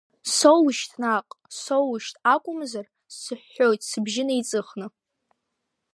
Соушьҭ наҟ, соушьҭ, акәымзар сыҳәҳәоит, сыбжьы неиҵыхны!